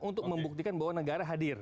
untuk membuktikan bahwa negara hadir